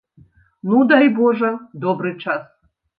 Ну, дай, божа, добры час.